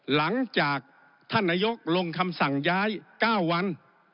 หลังจากท่านนายกลงคำสั่งย้าย๙วัน